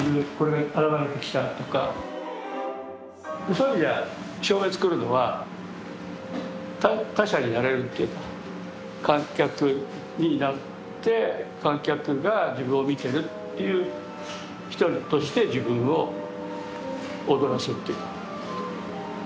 そういう意味では照明作るのは他者になれるっていうか観客になって観客が自分を見てるっていう一人として自分を踊らせている。